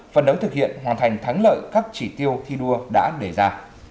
phần đấu thực hiện hoàn thành thắng lợi các chỉ tiêu thi đua đã đề ra